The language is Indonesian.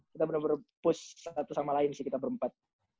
kita benar benar push satu sama lain sih kita berempat